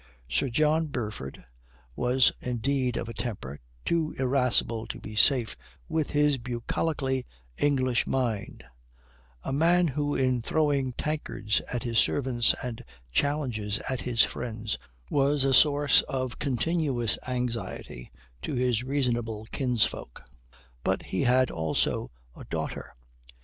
Sir John Burford was indeed of a temper too irascible to be safe with his bucolically English mind: a man who in throwing tankards at his servants and challenges at his friends was a source of continuous anxiety to his reasonable kinsfolk. But he had also a daughter.